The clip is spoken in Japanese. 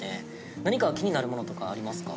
何か気になるものとかありますか？